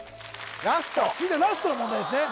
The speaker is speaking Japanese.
ラストさあ次がラストの問題ですね